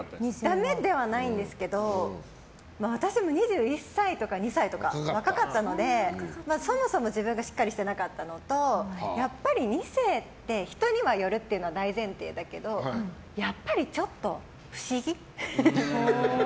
ダメではないんですけど私も２１歳とか２２歳とか若かったので、そもそも自分がしっかりしていなかったのとやっぱり２世って人にはよるっていうのは大前提だけどやっぱりちょっと不思議。